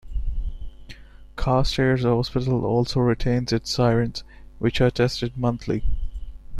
Carstairs Hospital also retains its sirens, which are tested monthly.